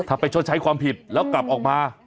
ถ้าไปชดใช้ความผิดแล้วกลับออกมา